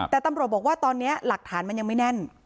แต่ตำรวจบอกว่าตอนนี้หลักฐานมันยังไม่แน่น